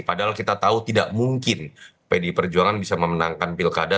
padahal kita tahu tidak mungkin pdi perjuangan bisa memenangkan pilkada